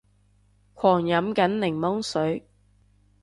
狂飲緊檸檬水